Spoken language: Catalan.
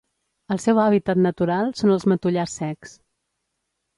El seu hàbitat natural són els matollars secs.